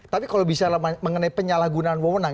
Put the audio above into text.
tapi kalau bisa mengenai penyalahgunaan bumn